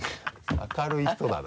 明るい人だな。